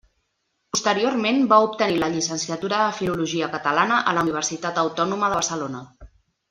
Posteriorment va obtenir la llicenciatura de Filologia Catalana a la Universitat Autònoma de Barcelona.